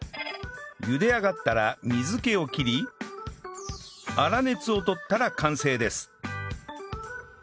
茹で上がったら水気を切り粗熱を取ったら完成です